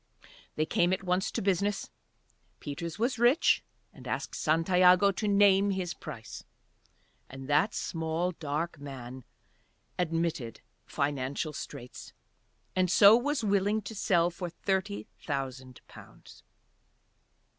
They came at once to business. Peters was rich and asked Santiago to name his price, and that small dark man admitted financial straits, and so was willing to sell for thirty thousand pounds.